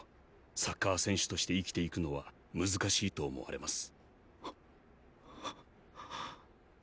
サッカー選手として生きていくのは難しいと思われます。